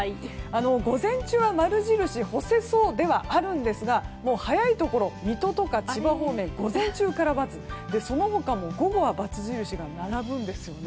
午前中は〇印干せそうではありますが水戸とか千葉方面は午前中から×でその他も午後は×が並ぶんですね。